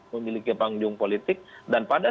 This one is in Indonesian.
memiliki panggung politik dan pada